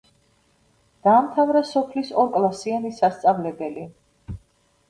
დაამთავრა სოფლის ორკლასიანი სასწავლებელი.